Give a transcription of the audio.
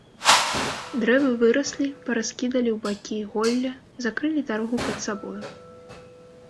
Дрэвы выраслі, параскідалі ў бакі голле, закрылі дарогу пад сабою.